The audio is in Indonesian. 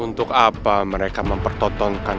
untuk apa mereka mempertontonkan